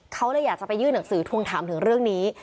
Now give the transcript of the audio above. เขาเลยอยากจะไปยื่นหนังสือทวงถามถึงเรื่องนี้